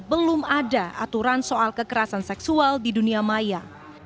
belum ada aturan soal kekerasan seksual di dunia maya